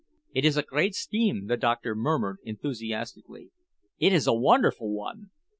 "It is a great scheme," the doctor murmured enthusiastically. "It is a wonderful one!